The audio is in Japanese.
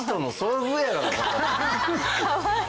かわいい。